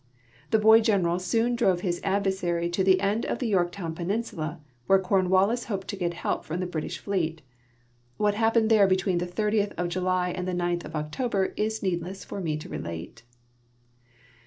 The boy general soon drove his adversary to the end of the Yorktown peninsula, where Cornwallis hoped to get helj) from the British fleet. What happened there between tlie 30th of July and the 9th of October it is needless for me to relate.